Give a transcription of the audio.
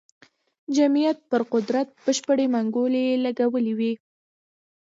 جمعیت پر قدرت بشپړې منګولې لګولې وې.